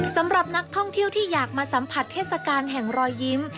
สำหรับนักท่องเที่ยวที่อยากมาสัมผัสเทศกาลแห่งรอยยิ้ม